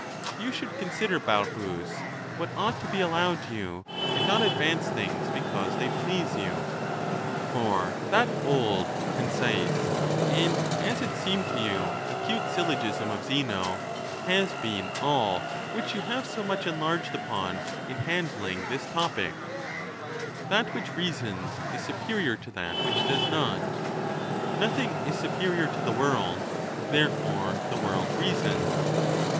You should consider, Balbns, what ought to be allowed you, and not advance things because they please you. For that old, concise, and, as it seemed to you, acute syl logism of Zeno has been all which you have so much en larged upon in handling this topic :" That which reasons is superior to that which does not ; nothing is superior to the world; therefore the world reasons."